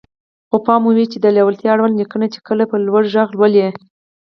خو پام مو وي د ليوالتيا اړوند ليکنه چې کله په لوړ غږ لولئ.